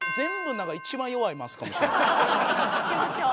いきましょう。